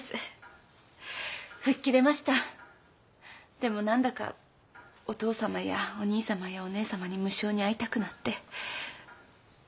でも何だかお父さまやお兄さまやお姉さまに無性に会いたくなって。